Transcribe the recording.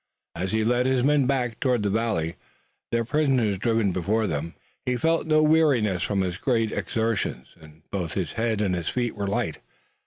As he led his men back toward the valley, their prisoners driven before them, he felt no weariness from his great exertions, and both his head and his feet were light.